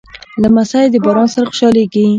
لمسی د باران سره خوشحالېږي.